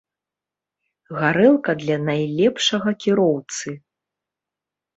Гарэлка для найлепшага кіроўцы.